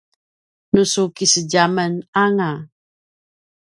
nu su kisedjamen anga